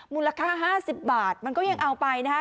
มูลค่า๕๐บาทมันก็ยังเอาไปนะฮะ